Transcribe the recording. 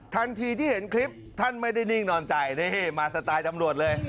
ทันทีที่เห็นคลิปท่านไม่ได้นิ่งนอนใจนี่มาสไตล์ตำรวจเลย